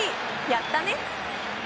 やったね！